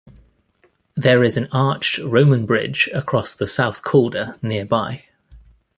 There is an arched Roman bridge across the South Calder nearby.